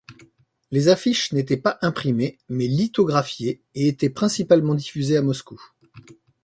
Les affiches n'étaient pas imprimées, mais lithographiées, et étaient principalement diffusées à Moscou.